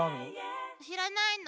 知らないの？